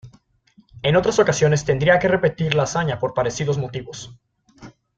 En otras ocasiones tendría que repetir la hazaña por parecidos motivos.